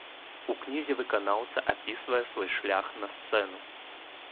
У кнізе выканаўца апісвае свой шлях на сцэну.